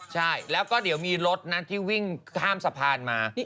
ใช่แล้วก็เดี๋ยวมีรถนะที่วิ่งข้ามสะพานมา